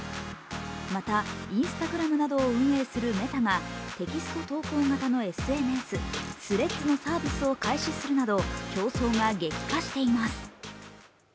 またＩｎｓｔａｇｒａｍなどを運営するメタがテキスト投稿型のＳＮＳ、Ｔｈｒｅａｄｓのサービスを開始するなど競争が激化しています。